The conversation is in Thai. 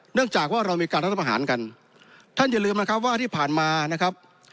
จากว่าเรามีการรัฐประหารกันท่านอย่าลืมนะครับว่าที่ผ่านมานะครับ